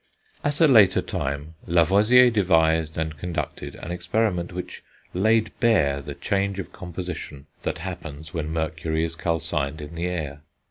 At a later time, Lavoisier devised and conducted an experiment which laid bare the change of composition that happens when mercury is calcined in the air.